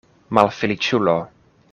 Malfeliĉulo!